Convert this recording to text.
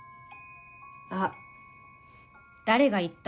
あっ誰が言った？